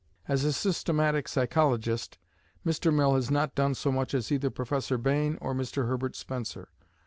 As a systematic psychologist Mr. Mill has not done so much as either Professor Bain or Mr. Herbert Spencer.